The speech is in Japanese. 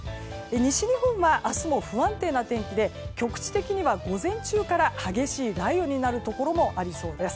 西日本は明日も不安定な天気で局地的には午前中から激しい雷雨になるところもありそうです。